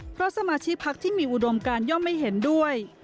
เพราะสมาชิกพักที่มีอุดมการย่อมไม่เห็นด้วย